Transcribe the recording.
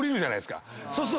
そうすると。